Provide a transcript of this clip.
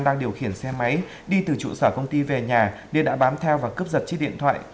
đang điều khiển xe máy đi từ trụ sở công ty về nhà để đã bám theo và cấp dật chiếc điện thoại